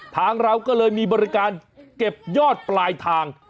เราก็เลยมีบริการเก็บยอดปลายทาง